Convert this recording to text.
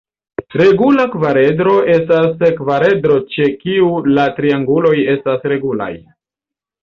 Regula kvaredro estas kvaredro ĉe kiu la trianguloj estas regulaj.